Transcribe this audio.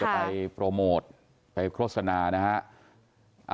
ไปโปรโมทไปโฆษณานะฮะ